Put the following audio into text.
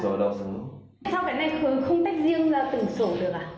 sổ là sổ hồng riêng hay là